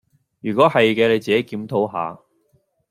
如果係既你自己檢討下